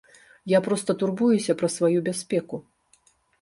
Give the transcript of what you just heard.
Я проста турбуюся пра сваю бяспеку.